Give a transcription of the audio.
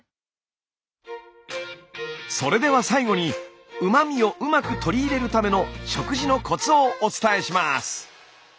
それでは最後にうま味をうまく取り入れるための食事のコツをお伝えします！